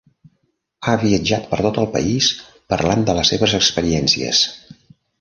Ha viatjat per tot el país parlant de les seves experiències.